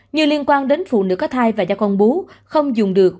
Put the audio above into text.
nhiều liên quan đến phụ nữ có thai và da con bú không dùng được